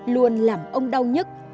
luôn làm ông đau nhất